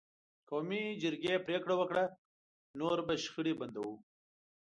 قومي جرګې پرېکړه وکړه: نور به شخړې بندوو.